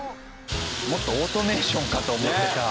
もっとオートメーションかと思ってた。